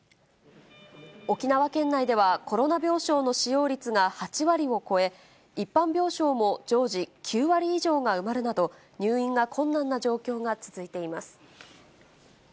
沖縄県内では、コロナ病床の使用率が８割を超え、一般病床も常時、９割以上が埋まるなど、入院が困難な状況が続いています。